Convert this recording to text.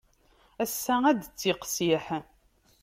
Ass-a ad d-tettiqsiḥ.